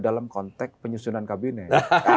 dalam konteks penyusunan kabinet